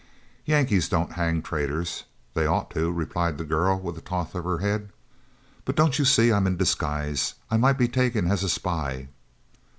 "Yankees don't hang traitors; they ought to," replied the girl, with a toss of her head. "But don't you see I am in disguise? I might be taken as a spy."